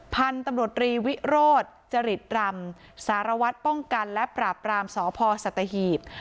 พันธุ์ตำรวจรีวิโรธจริตรำสารวัตรป้องกันและปราบรามสพสัตหีบ